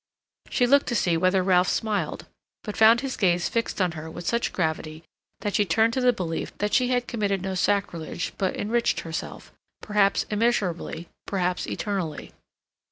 She looked to see whether Ralph smiled, but found his gaze fixed on her with such gravity that she turned to the belief that she had committed no sacrilege but enriched herself, perhaps immeasurably, perhaps eternally.